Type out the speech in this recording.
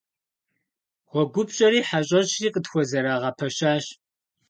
ГъуэгупщӀэри хьэщӀэщри къытхузэрагъэпэщащ.